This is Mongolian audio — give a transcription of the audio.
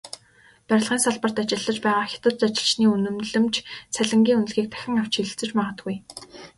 Барилгын салбарт ажиллаж байгаа хятад ажилчны үнэлэмж, цалингийн үнэлгээг дахин авч хэлэлцэж магадгүй.